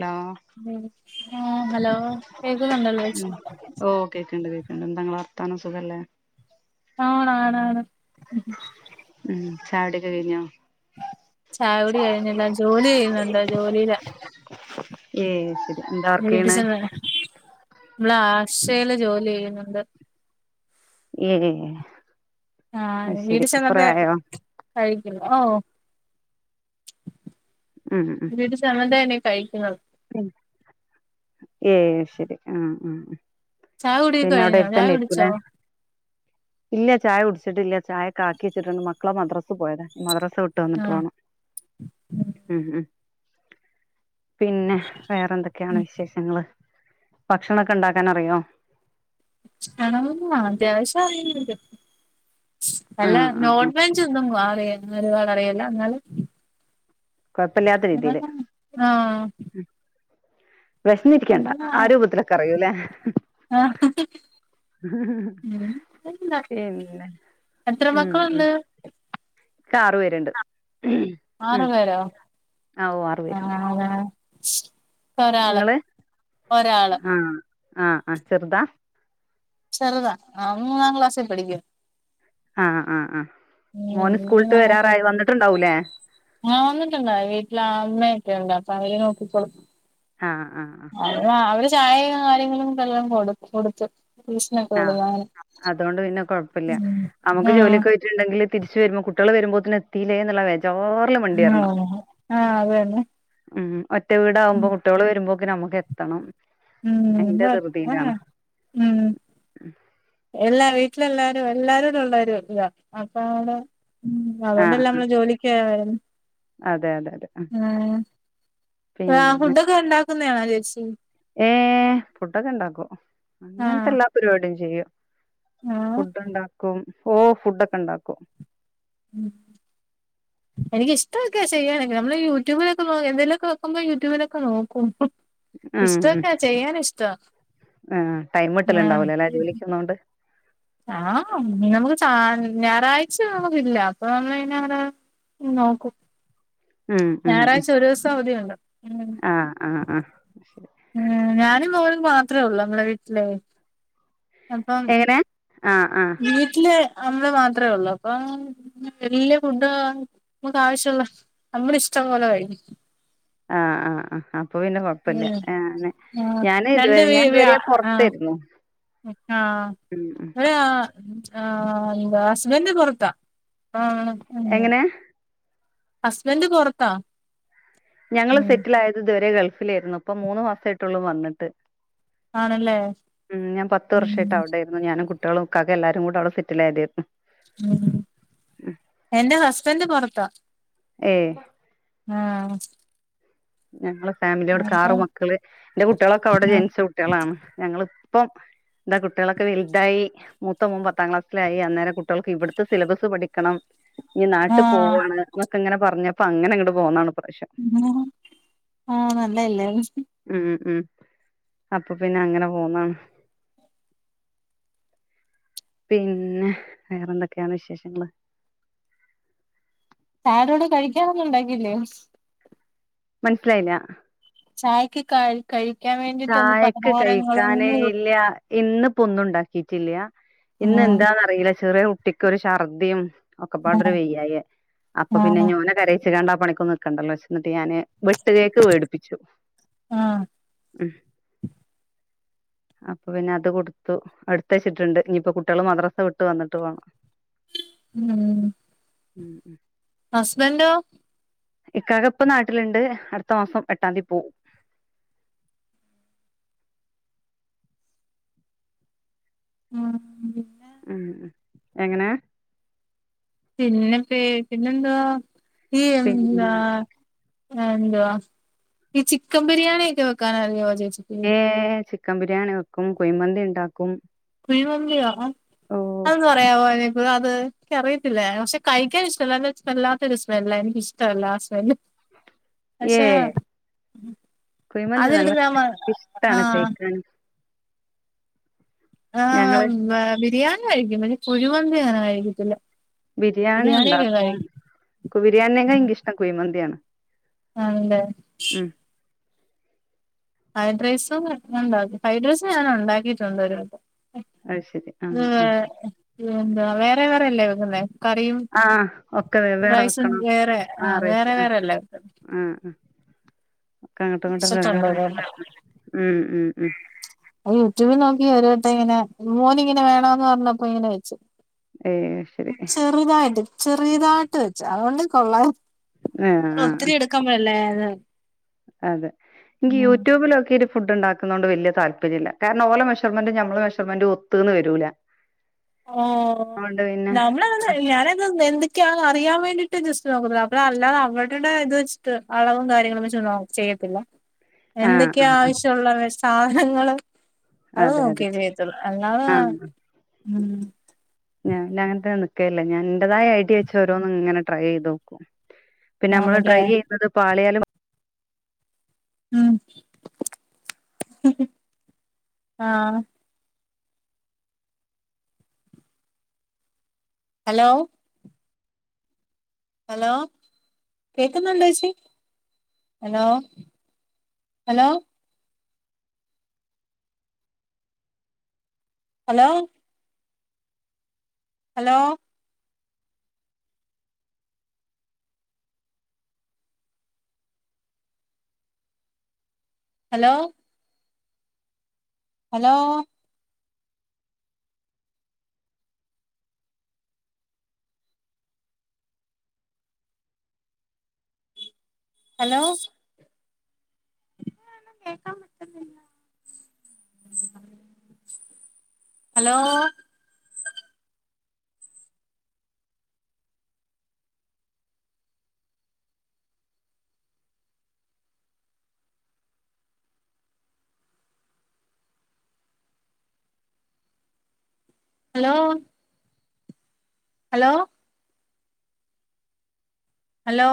Law ആഹ് hello കേക്കുന്നുണ്ടല്ലോ ഏച്ച് ഉം ഓ കേക്ക്ണ്ട് കേക്ക്ണ്ട്ന്താങ്ങളെ വർത്താനം സുഖല്ലേ ആണ് ആണ ആണ് ഉം ഉം ഉം ചായുടി ഒക്ക കഴിഞ്ഞോ ചായുടി കഴിഞ്ഞില്ല ജോലി ചെയ്യുന്നുണ്ട് ജോലില ഏ ശെരി വീട്ടിച്ചെന്ന് മ്മള ആശെല് ജോലി ചെയ്യുന്നുണ്ട് ഏ അത് ആഹ് ശരി വീട്ടി കൊറേ ചെന്നപ്പെ ആയോ കഴിക്കില്ല ഓ ഉം ഉം വീട്ടി ചെന്നിട്ടേ ഇനി കഴിക്കിന്നത് ഏയ് ശരി ആഹ് ആഹ് ചായ കുടിയൊക്കെ പിന്നെ അവിടെ കഴിഞ്ഞോ ചായ അട്ത്തെന്നെ കുടിച്ചോ ആയ്രിക്കുലേ ഇല്ല ചായ കുടിച്ചിട്ടില്ല ചായക്കെ ആക്കിച്ച്ട്ട്ണ്ട് മക്കള് മദ്രസ് പോയതാ മദ്രസവ് ട്ട് വന്ന്ട്ട് ആഹ് വാണം ഉം ഉം പിന്നെ വേറെ എന്തൊക്കെയാണ് ഉം വിശേഷങ്ങള് ഭക്ഷണൊക്കെ ണ്ടാക്കാനറിയോ [unintelligible] അത്യാവശ്യം അറിയുന്നുണ്ട് അല്ല ആഹ് ആഹ് ആഹ് നോൺവെജ് വെജ്ജോന്നും അറി [unintelligible] അറിയില്ല ന്നാലും കൊഴപ്പല്ല്യാത്ത രീതിയില് ആഹ് ഉം വിശന്നിരിക്കേണ്ട ആ ആഹ് രൂപത്തിലൊക്കെ അറിയൂല്ലേ ആഹ് ഉം പിന്നെ എത്ര ഉം ഉം മക്കളുണ്ട് ക്കാറ് പേര്ണ്ട് ആറ് പേരോ ആഹ് ആണോ ങ്ങള് ആഹ് ആഹ് ആഹ് ചെറുതാ ചെറുതാ ആഹ് മൂന്നാം ക്ലാസിൽ പഠിക്ക്‌യാ ആഹ് ആഹ് ആഹ്. ഉം മോന് സ്കൂൾട്ട് വരാറായി വന്നിട്ടുണ്ടാവൂലേ ആഹ് വന്നിട്ടുണ്ടായി വീട്ടില് അമ്മയൊക്കെ ഉണ്ട് അപ്പ അവര് നോക്കിക്കൊളും ആ ആ ആ അല്ല ശരി അവര് ചായയും കാര്യങ്ങളുംക്ക എല്ലാം കൊടു കൊടുത്തു ട്യൂഷനൊക്കെ ആഹ് വിടും അങ്ങനെ അതോണ്ട് പിന്നെ കൊഴപ്പല്ല്യ ഉം നമ്മുക്ക് ജോലി ആഹ് ട്ട്ണ്ടെങ്കില് തിരിച്ച് വരുമ്പോൾ കുട്ടികൾ വരുമ്പോത്തിന് എത്തില്ലേ എന്നുള്ളബേജാർ ആയി അങ്ങനെ [unintelligible] ആഹ് അത് തന്നെ ഉം ഒറ്റ വീട് ആവുമ്പോ കുട്ടോള് വരുമ്പോക്ക്ന് നമ്മക്ക് എത്തണം ഉം [unintelligible] ഉം ഉം എല്ലാ വീട്ടിലെല്ലാരും എല്ലാരട ഉള്ളരും ഇത അപ്പ അടെ ഉം ആ അതുകൊണ്ടല്ല നമ്മള് ജോലിക്ക് [unintelligible] അതെ അതെ അതെ ഏഹ് ആഹ് പിന്നെ ഫുഡൊക്കെ ഉണ്ടാക്കുന്നെയാണോ ചേച്ചി ഏഹ് ഫുഡൊക്കെ ഇണ്ടാക്കും അങ്ങനത്തെ ആഹ് എല്ലാ പരിപാടിയും ചെയ്യും ആഹ് ഫുഡ് ഉണ്ടാക്കും ഓഹ് ഫുഡൊക്കെ ണ്ടാക്കും ഉം [inaudible] എനിക്ക് ഇഷ്ടം ഒക്കാ ചെയ്യാനക്ക നമ്മള് യൂട്യൂബൊക്കെ നോ എന്തെലൊക്കെ വെക്കുമ്പോ യൂട്യൂബിലൊക്കെ നോക്കും ഉം ഇഷ്ടം ഉം ഒക്കെ ചെയ്യൻ ഇഷ്ട്ടൊവ ന്നാണ് ഉം ട്ട് ണോണ്ട് ആഹ് നമുക്ക് ച്ചാ ഞായറാഴ്ച നമുക്കില്ല അപ്പൊ നമ്മിങ്ങനെ ഓരോ ഉം നോക്കും ഉം ഉം ഉം ഞായറാഴ്ച ഒരു ദിവസം അവധിയുണ്ട് ഉം ആഹ് ആഹ് ആഹ് ശരി ഉം ഞാനും മോളും മാത്രേ ള്ളൂ നമ്മടെ വീട്ടിലേയ് അപ്പം ആഹ് ആഹ് വീട്ടില് അമ്മള് മാത്രേ ഒള്ളൂ അപ്പം വല്യ ഫുഡ് നമുക്ക് ആവശ്യമുള്ള നമ്മള ഇഷ്ടംപോലെ കഴിക്കും ആഹ് ആഹ് ആഹ് അപ്പൊ പിന്നെകുഴപ്പം പ്പല്യ ഉം ആഹ് ആഹ് ഞാന് രണ്ട് ഇതുവരെ ഞാൻ ഇതുവരെ പൊറത്തേയിര്ന്നു ന്നിട്ടോ ഒര് [unintelligible] ഉം ഏഹ് വ്ഹസ്ബന്റ് പൊറത്താ [unintelligible] എങ്ങനെ ഹസ്ബന്ന്റ് പൊറത്താ ഞങ്ങൾ ഉം സെറ്റിൽ ആയത് ഇതുവരെ ഗൾഫിലേയ്രുന്നു. ഇപ്പൊ മൂന്നു മാസം ആയിട്ടൊള്ളു വന്നിട്ട് ആണല്ലേ ഉം ഞാൻ പത്ത് വർഷമായിട്ട് ഉം അവിടെ ആയിരുന്നു ഞാനും കുട്ടിയോളും ഇക്കാക്കിം എല്ലാരും കൂടെ അവിടെ സെറ്റിൽ ആയതേര്ന്നു ഉം എന്റെ ഹസ്ബന്റ് പൊറത്താ ഏഹ് ആഹ് ഞങ്ങള് ഫാമിലി അവിടെക്കെ അപ്പൊ ആറു മക്കള് എന്റെ കുട്ടികളൊക്കെ അവിടെ ആഹ് ജെനിച്ച കുട്ടികളാണ് ഞങ്ങള് ഇപ്പം എന്താ കുട്ടികളൊക്കെ വലുതായി മൂത്ത മോൻ പത്താം ക്ലാസ്സിലായി അന്നേരം കുട്ടികൾക്ക് ഇവിടുത്തെ സിലബസ് പഠിക്കണം ഞ്ഞി നാട്ട് പോവാണ് ന്നൊക്കങ്ങനെ പറഞ്ഞപ്പ അങ്ങനെ ഇങ്ങട്ട് പോന്നതാണ് ഇപ്രാവശ്യം [inaudible] ആഹ് നല്ലയല്ലേ ഉം ഉം അപ്പൊ പിന്നെ അങ്ങനെ പോന്നാണ് പിന്നെ വേറെന്തക്കെയാണ് വിശേഷങ്ങള് പാരോട് കഴിക്കാനൊന്നും ഉണ്ടാക്കില്ലേ മനസ്സിലായില്ല ചായക്ക് കഴ് കഴിക്കാൻ വേണ്ടിട്ടൊന്ന് പലഹാരങ്ങളൊന്നും ഇന്ന് പ്പിനൊണ്ടാക്കിട്ടില്ല ഇന്ന് ആഹ് ന്താന്ന്റിയില്ല ചെറിയ കുട്ടിക്കൊ ഒരു ശർധിം ഒക്കെ ആഹ് പാടൊര് വെയ്യായ്യിയ അപ്പൊ പിന്നെ ആഹ് ഞോന കരയി ട്ട് കാണ്ടാ പണിക്കൊന്ന നി ക്കണ്ടല്ലോെചിട്ട് ന്നിട്ട് ഞാന് വെട്ട് കേക്ക് വേടിപ്പിച്ചു ആഹ് ഉം അപ്പൊ പിന്നെ അത് കൊടുത്തു അടുത്ത് വച്ചിട്ട്ണ്ട് ഇനിപ്പ കുട്ടികൾ മദ്രസ വിട്ട് വന്നിട്ട് വാണം [inaudible] ഉം ഉം ഉം ഹസ്ബൻഡോ ഇക്കാക്ക ഇപ്പ നാട്ടില്ണ്ട് അടുത്ത മാസം എട്ടാംതി പോവും ഉം പിന്നെ ഉം ഉം എങ്ങനെ പിന്നെ പേ പിന്നെന്താ ഇ പിന്നെ എന്താ എന്തുവാ ഈ ചിക്കൻ ബിരിയാണിയക്കെ വെക്കാൻ അറിയോ ചേച്ചിക്ക് ഏഹ് ചിക്കൻ ബിരിയാണി വെക്കും കുയ്മന്തി ണ്ടാക്കും കുയ്മന്തിയോ അതന്ന് പറയാമോ എനിക്ക് അത് അറിയത്തില്ല പക്ഷെ കഴിക്കാ ഇഷ്ടല്ല വല്ലാത്തൊരു സ്മെല്ലാ എനിക്ക ഇഷ് ഇഷ്ടമല്ലാ ആഹ് സ്മെല്ല് [inaudible] പക്ഷെ ഉം കുഴിമന്തി നല്ല അതിലടിന്നിമ്മ ഇഷ്ടാണ് ആഹ് കഴിക്കാൻ ഞങ്ങള് ആഹ് ബ ബിരിയാണി കഴിക്കും പിന്നെ കുഴിമന്തി അങ്ങനെ കഴിക്കത്തില്ല ബിരിയാണി ബിരിയാണിയൊക്കെ ഉണ്ടാക്കും കഴിക്കും ക്ക് ബിരിയാണിനേക്കായിളെനിക്കിഷ്ടം കുയ്മന്തിയാണ് ആണല്ലേ ഫ്രൈഡ് റൈസും ക്കെണ്ടാക്കും ഫ്രൈഡ് റൈസും ഞാൻ ഉണ്ടാക്കിട്ടുണ്ട് ഒരു വട്ടം അയ്ശരി ആഹ് അത് ആഹ് എന്താ വേറെ വേറെല്ലേ വെക്കുന്നെ കറിയും ആ ഒക്കെ വെവ്വേറെ റൈസും വെക്കണം വേറെ ആഹ് വേറെ വേറെല്ലേ ഇട്ടത് ഉം ഉം ഒക്കെ അങ്ങട്ടും ഇങ്ങട്ടും വെച്ചിട്ടുണ്ട് വെവ്വേറെ ഒരു ആയ്ട്ട് വട്ടം വെക്ക ഉം ഉം യൂട്യൂബിൽ നോക്കി ഒരു വട്ടം ഇങ്ങനെ മോനി ങ്ങനെ വേണന്ന് പറഞ്ഞപ്പോ ഇങ്ങനെ വെച്ചു ഏയ്ശരി ചെറുതായിട്ട് ചെറിയതായിട്ട് വെച്ച് അതുകൊണ്ട് ആഹ് കൊള്ളായിരുന്ന് ആഹ് ഒത്തിരി എട് ക്കമല്ലേ അത് അതെ ഇന്ക് ഉം യൂട്യൂബിലൊക്കീട് ഫുഡ് ണ്ടാക്കുന്നത് കൊണ്ട് വല്യ താല്പര്യല്ല്യ കാരണം ഓലെ മെഷർ മെന്റ് നമ്മളെ മെഷർെമെന്റ് ഒത്തൂന്ന് വരൂല്ല ഓ നമ്മളതന്ത് ഞാനെ എന്ത് ഒക്കെയ അറിയാൻ വേണ്ടീട്ട് ജസ്റ്റ് നോക്കുന്നത് അപ്പൊ അല്ലാതെ അവരുടെ ഇത് വെച്ചിട്ട് അളവും കാര്യങ്ങളും വെച്ച് ചെയ്യത്തില്ല [inaudible] എന്തൊക്കെയാ ആഹ് ആവശ്യമുള്ള സാധനങ്ങള് ആഹ് അതും അതെ അതെ നോക്കെ ചെയ്യത്തൊള്ളൂ അല്ലാതെ ആഹ് [unintelligible] ഉം ഉം ഞാൻ അങ്ങൻത്തെൻ നിക്കല്ല ഞാൻ ഇന്റെതായ ഐഡിയ വെച്ചോരോന്ന്ങ്ങനെ ട്രൈയയ്തോക്കും. പിന്നെ നമ്മള് ആണല്ലേ ട്രൈയ്യെയ്യുന്നത് പാളിയാലും ഉം ആഹ് അലോ അലോ കേക്കുന്നുണ്ടോച്ചി hello hello hello hello hello hello hello കേക്കാൻ പറ്റുന്നില്ല. Hello hello hello hello